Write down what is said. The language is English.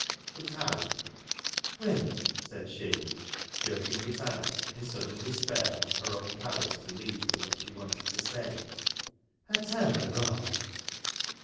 But how ?' Will !' said she (jerking it out, in sudden despair of her own powers to lead to what she wanted to say), ' I telled her all.'